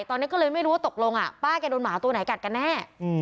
ตอนนี้ก็เลยไม่รู้ว่าตกลงป้าแกโดนหมาตัวไหนกัดกันแน่